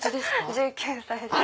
１９歳です。